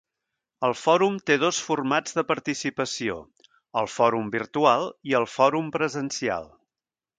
El Fòrum té dos formats de participació, el Fòrum virtual i el Fòrum presencial.